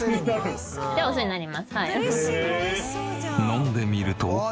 飲んでみると。